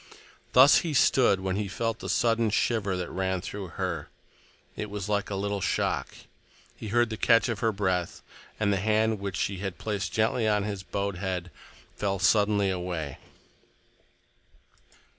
Thus he stood when he felt the sudden shiver that ran through her. It was like a little shock. He heard the catch of her breath, and the hand which she had placed gently on his bowed head fell suddenly away.